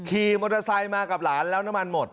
ขี่มอเตอร์ไซค์มากับหลานแล้วน้ำมันหมด